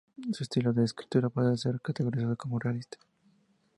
Su estilo de escritura puede ser categorizado como realista.